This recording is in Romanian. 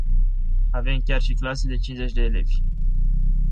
Aveam chiar și clase de cincizeci de elevi.